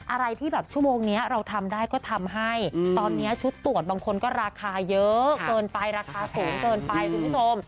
อะไรที่แบบชั่วโมงนี้เราทำได้ก็ทำให้ตอนนี้ชุดตรวจบางคนก็ราคาเยอะเกินไปราคาสูงเกินไปคุณผู้ชม